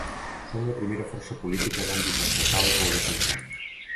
Som la primera força política d’àmbit estatal que ho defensem.